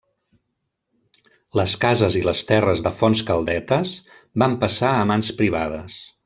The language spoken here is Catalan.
Les cases i les terres de Fontscaldetes van passar a mans privades.